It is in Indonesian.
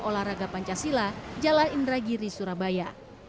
olahraga pancasila jalan indragiri surabaya